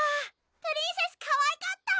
プリンセスかわいかった！